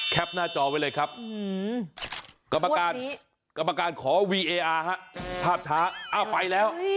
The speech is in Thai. แคปหน้าจอไว้เลยครับภาพชาเอ้าไปแล้ว